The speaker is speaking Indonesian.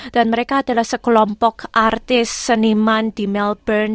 dan mereka adalah sekelompok artis seniman di melbourne